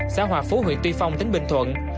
xã hòa phú huyện tuy phong tỉnh bình thuận